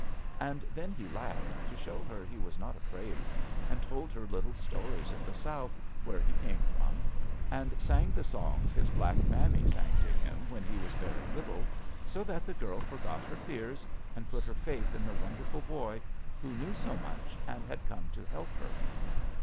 And then he laughed to show her he was not afraid, and told her little stories of the South, where he came from, and sang the songs his black mammy sang to him when he was very little, so that the girl forgot her fears and put her faith in the wonderful boy, who knew so much, and had come to help her.